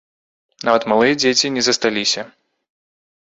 Нават малыя дзеці не засталіся.